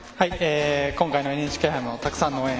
今回のＮＨＫ杯もたくさんの応援